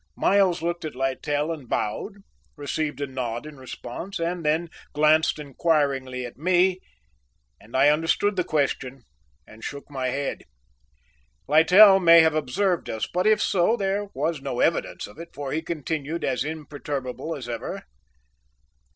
Miles looked at Littell and bowed, receiving a nod in response, and then glanced inquiringly at me, and I understood the question and shook my head. Littell may have observed us, but if so, there was no evidence of it, for he continued as imperturbable as ever.